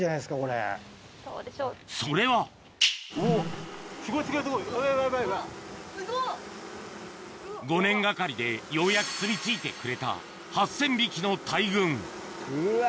それは５年がかりでようやくすみ着いてくれた８０００匹の大群うわ。